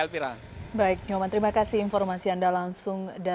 baik nyoman terima kasih informasi anda langsung